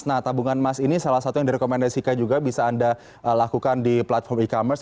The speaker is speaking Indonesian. nah tabungan emas ini salah satu yang direkomendasikan juga bisa anda lakukan di platform e commerce